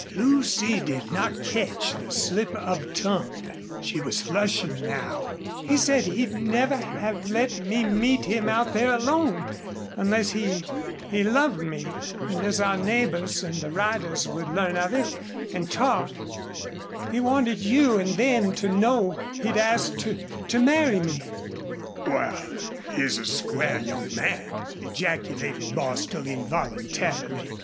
Lucy did not catch the slip of tongue. She was flushing now. "He said he'd never have let me meet him out there alone unless he he loved me and as our neighbors and the riders would learn of it and talk he wanted you and them to know he'd asked to to marry me." "Wal, he's a square young man!" ejaculated Bostil, involuntarily.